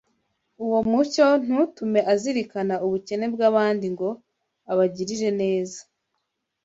uwo muco ntutume azirikana ubukene bw’abandi ngo abagirire neza